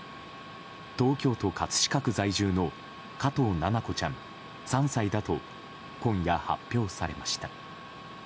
東京都葛飾区在住の加藤七菜子ちゃん、３歳だと今夜、発表されました。